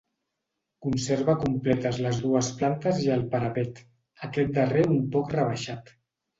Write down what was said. Conserva completes les dues plantes i el parapet, aquest darrer un poc rebaixat.